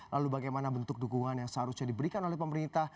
lalu bagaimana bentuk dukungan yang seharusnya diberikan oleh pemerintah